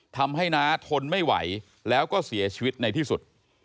น้าทนไม่ไหวแล้วก็เสียชีวิตในที่สุด